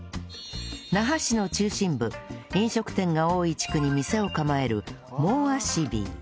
那覇市の中心部飲食店が多い地区に店を構えるもぅあしび